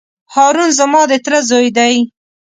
هارون زما د تره زوی دی.